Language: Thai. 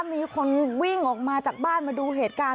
มีคนวิ่งออกมาจากบ้านมาดูเหตุการณ์